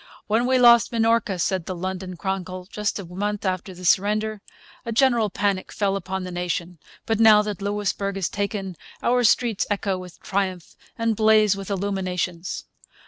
'When we lost Minorca,' said the London Chronicle, just a month after the surrender, 'a general panic fell upon the nation; but now that Louisbourg is taken our streets echo with triumph and blaze with illuminations.'